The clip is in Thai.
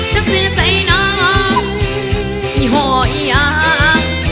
ซักซื้อใส่น้องยี่ห่อยี่อา